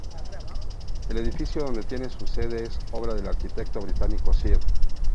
El edificio donde tiene su sede es obra del arquitecto británico Sir.